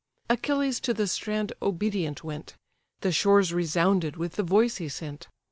Achilles to the strand obedient went: The shores resounded with the voice he sent.